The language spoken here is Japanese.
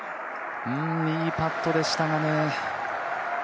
いいパットでしたがね。